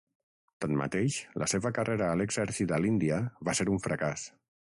Tanmateix, la seva carrera a l'exèrcit a l'Índia va ser un fracàs.